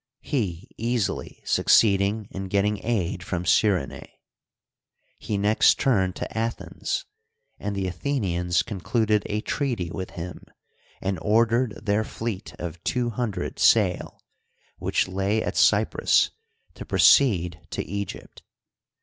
He easily succeeding in getting aid from Cyrenae, He next turned to Athens, and the Athenians concluded a treaty with him, and ordered their fleet of two hundred sail, which lay at Cyprus, to proceed to Egypt.